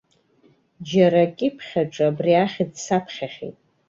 Џьара акьыԥхь аҿы абри ахьӡ саԥхьахьеит.